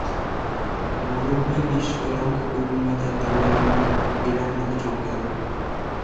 মরুভূমির নিষ্কলংক পূর্ণিমা তার যুগলনয়ন হীরার মত চমকাতে থাকে।